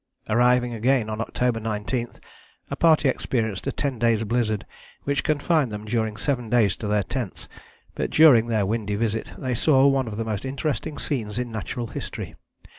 Arriving again on October 19, a party experienced a ten days' blizzard which confined them during seven days to their tents, but during their windy visit they saw one of the most interesting scenes in natural history.